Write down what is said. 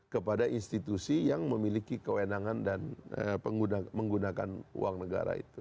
kepada institusi yang memiliki kewenangan dan menggunakan uang negara itu